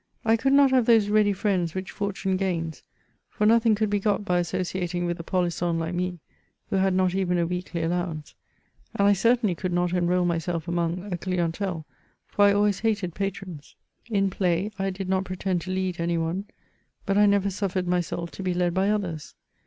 I could not have those ready friends which fortune gains, for nothing could be got by associating with tipolisson hke me, who had not even a weekly allowance, and I certainly could not enrol myself among a clientele, for I always hated patrons. In play, I did not pretend to lead any one, but I never suffered myself to be led by others.